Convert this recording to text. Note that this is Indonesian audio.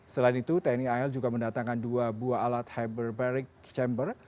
selain itu tni al juga mendatangkan dua buah alat hyper barric chamber